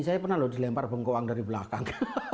saya pernah lho dilempar bengkong dari belakang